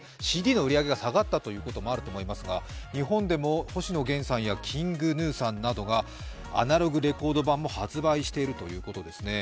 ＣＤの売り上げが下がったということもあると思いますが日本でも星野源さんやＫｉｎｇＧｎｕさんなどがアナログレコード盤も発売しているということですね。